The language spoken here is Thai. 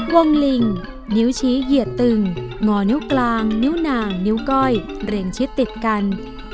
วงลิงนิ้วชี้เหยียดตึงงอนิ้วกลางนิ้วนางนิ้วก้อยเรียงชิดติดกัน